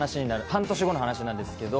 半年後の話です。